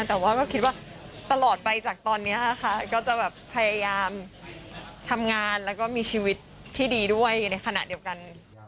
แต่ว่าก็คิดว่าตลอดไปจากตอนนี้ค่ะก็จะแบบพยายามทำงานแล้วก็มีชีวิตที่ดีด้วยในขณะเดียวกัน